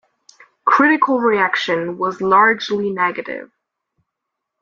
Critical reaction was largely negative.